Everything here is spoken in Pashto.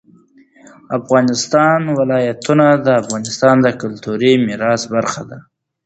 د افغانستان ولايتونه د افغانستان د کلتوري میراث برخه ده.